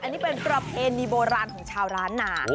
อันนี้เป็นประเพณีโบราณของชาวร้านหนา